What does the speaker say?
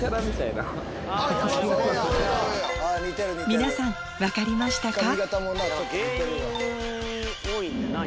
皆さん分かりましたか？